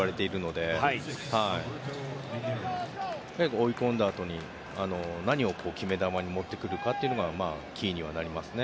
とにかく追い込んだあとに何を決め球に持ってくるのかがキーにはなりますね。